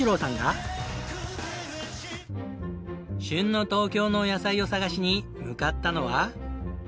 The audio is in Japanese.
旬の東京の野菜を探しに向かったのは。